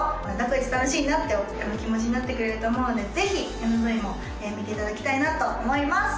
こいつ楽しいな」って気持ちになってくれると思うのでぜひＭＶも見ていただきたいなと思います！